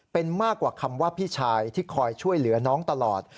เป็นมากกว่าคำว่าพี่ชายที่คอยช่วยเหลือน้องตลอด